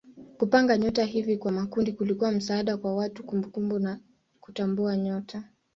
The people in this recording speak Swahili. Kupanga nyota hivi kwa makundi kulikuwa msaada kwa watu kukumbuka na kutambua nyota.